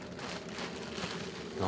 何？